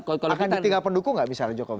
akan ditinggalkan dukung nggak misalnya jokowi